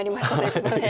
ここで。